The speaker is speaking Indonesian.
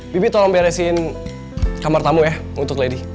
bibit tolong beresin kamar tamu ya untuk lady